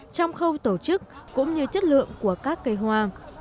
trong khâu tổ chức cũng như chất lượng của các cây hoa